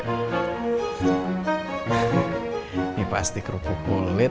ini pasti kerupuk boluet